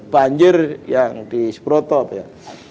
banjir yang di sprotop ya